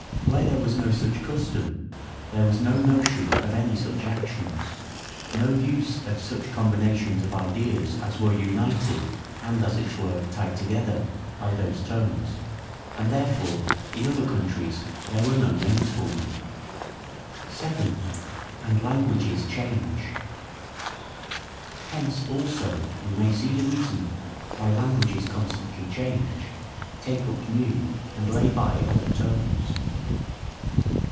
Where there was no such custom, there was no notion of any such actions; no use of such combinations of ideas as were united, and, as it were, tied together, by those terms: and therefore in other countries there were no names for them. 7. And Languages change. Hence also we may see the reason, why languages constantly change, take up new and lay by old terms.